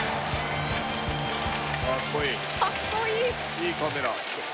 いいカメラ。